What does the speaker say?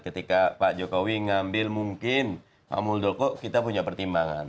ketika pak jokowi mengambil mungkin pak muldoko kita punya pertimbangan